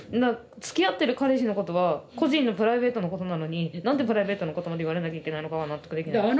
つきあってる彼氏のことは個人のプライベートなことなのに何でプライベートなことまで言われなきゃいけないのかが納得できないです。